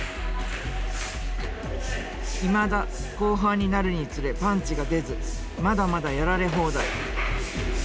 いまだ後半になるにつれパンチが出ずまだまだやられ放題。